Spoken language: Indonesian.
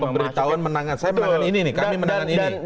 pemeritahuan menangani saya menangani ini nih kami menangani ini